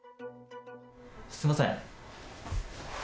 すみません。